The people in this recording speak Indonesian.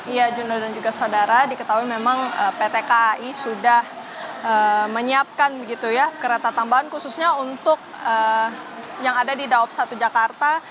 ya juno dan juga saudara diketahui memang pt kai sudah menyiapkan kereta tambahan khususnya untuk yang ada di daob satu jakarta